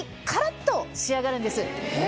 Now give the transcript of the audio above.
え？